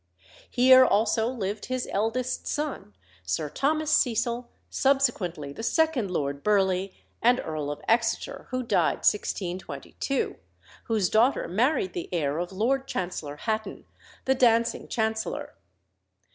Here also lived his eldest son, Sir Thomas Cecil, subsequently the second Lord Burleigh and Earl of Exeter, who died 1622, whose daughter married the heir of Lord Chancellor Hatton, the dancing chancellor.